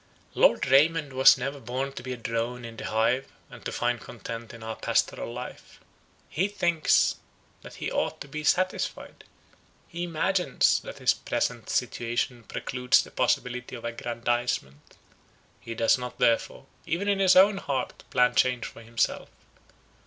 Lord Raymond was never born to be a drone in the hive, and to find content in our pastoral life. He thinks, that he ought to be satisfied; he imagines, that his present situation precludes the possibility of aggrandisement; he does not therefore, even in his own heart, plan change for himself.